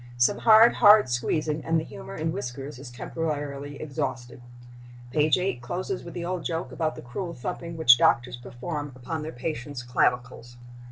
Some hard, hard squeezing, and the humor in whiskers is temporarily exhausted. Page 8 closes with the old joke about the cruel thumping which doctors perform upon their patients' clavicles.